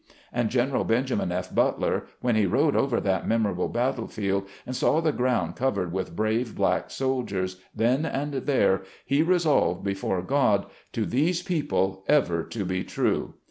And General Benjamin F Butler, when he rode over that memorable battle field and saw the ground covered with brave black soldiers, then and there, he resolved before God, " To these people ever to be true."